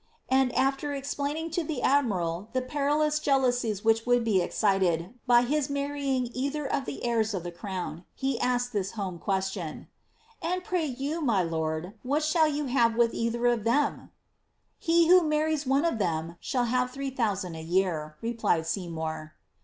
And, after ex plaining to the admiral the perilous jealousies which would be excited by his marrying with either of the heirs of the crown, he asked this home question, ^ And pray you, my lord, what shall you have with either of tliem ?"^ He who marries one of them shall have three thousand a year," replied Seymour.